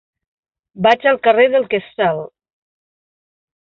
Vaig al carrer del Quetzal.